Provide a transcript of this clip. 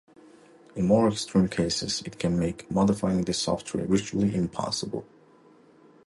In more extreme cases, it can make modifying the software virtually impossible.